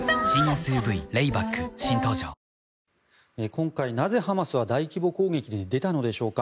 今回、なぜハマスは大規模攻撃に出たのでしょうか。